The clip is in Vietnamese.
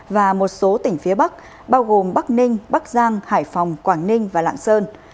và một số tỉnh phía bắc bao gồm bắc ninh bắc giang hải phòng quảng ninh và lạng sơn